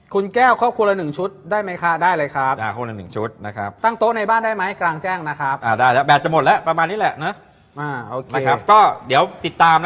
คุณแก้วครอบครัวละ๑ชุดได้ไหมคะได้เลยครับ